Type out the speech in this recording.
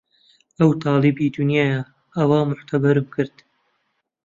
ئەو تالیبی دونیایە ئەوا موعتەبەرم کرد